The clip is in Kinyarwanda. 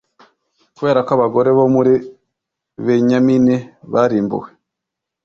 kubera ko abagore bo muri benyamini barimbuwe